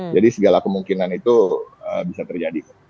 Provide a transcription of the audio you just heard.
jadi segala kemungkinan itu bisa terjadi